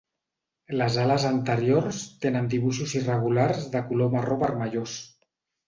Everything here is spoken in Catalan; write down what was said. Les ales anteriors tenen dibuixos irregulars de color marró-vermellós.